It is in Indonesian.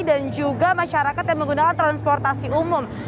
dan juga masyarakat yang menggunakan transportasi umum